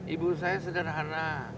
ibu saya sederhana